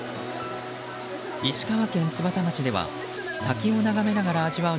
石川県津幡町では滝を眺めながら味わう